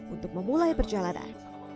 untuk memulai perjalanan